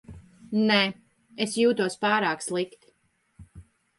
Nē, es jūtos pārāk slikti.